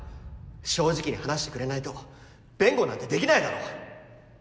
正直に話してくれないと弁護なんてできないだろ！